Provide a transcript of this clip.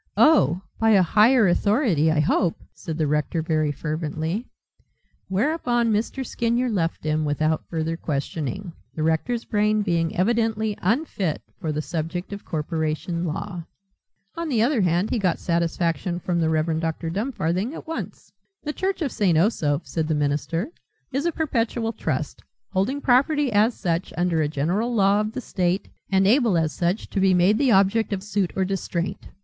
"Oh, by a higher authority, I hope," said the rector very fervently. Whereupon Mr. Skinyer left him without further questioning, the rector's brain being evidently unfit for the subject of corporation law. On the other hand he got satisfaction from the Rev. Dr. Dumfarthing at once. "The church of St. Osoph," said the minister, "is a perpetual trust, holding property as such under a general law of the state and able as such to be made the object of suit or distraint.